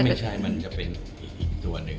ไม่ใช่มันจะเป็นอีกตัวหนึ่ง